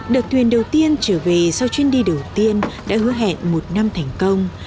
đợt thuyền đầu tiên trở về sau chuyến đi đầu tiên đã hứa hẹn một năm thành công